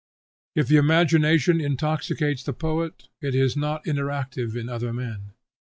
If the imagination intoxicates the poet, it is not inactive in other men.